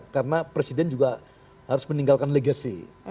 karena presiden juga harus meninggalkan legacy